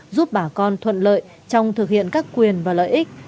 giúp bà con thuận lợi trong thực hiện các quyền và lợi ích